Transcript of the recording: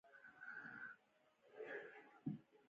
چې پدې توګه د ځمکې لاندې اوبو پر زېرمو اغېز کوي.